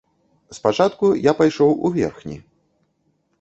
Спачатку я пайшоў у верхні.